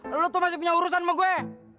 lalu lo tuh masih punya urusan sama gue